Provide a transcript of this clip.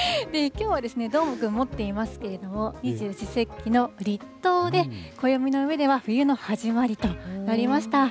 きょうはどーもくん、持っていますけれども、二十四節気の立冬で、暦の上では冬の始まりとなりました。